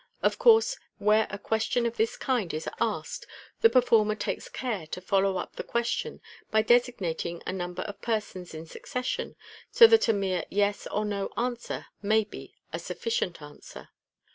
Of course, where a question of this kind is asked, the performer takes care to follow up the question by designating a number of persons in succession, so that a mere " Yes '* or " No " may be a sufficient answer.